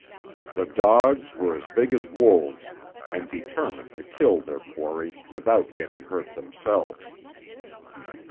The dogs were as big as wolves and determined to kill their quarry without getting hurt themselves.